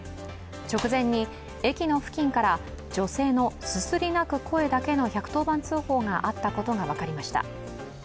直前に駅の付近から女性のすすり泣く声だけの１１０番通報があったことが分かりました。